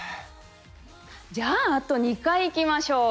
じゃああと２回いきましょう。